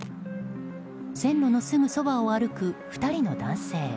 線路のすぐそばを歩く２人の男性。